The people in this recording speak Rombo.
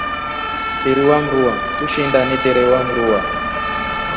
Mfiri wa mruwa tuishinda niterewa ruwa.